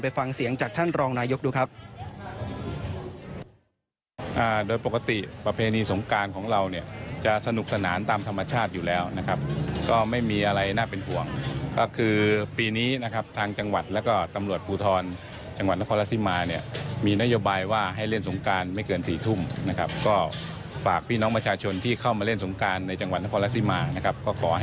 ฟังเสียงจากท่านรองนายกดูครับ